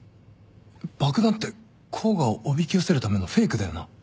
爆弾って甲賀をおびき寄せるためのフェイクだよな？